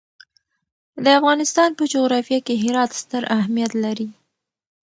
د افغانستان په جغرافیه کې هرات ستر اهمیت لري.